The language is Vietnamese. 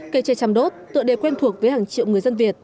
cây tre chăm đốt tựa đề quen thuộc với hàng triệu người dân việt